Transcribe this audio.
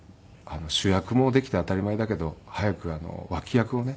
主役もできて当たり前だけど早く脇役をね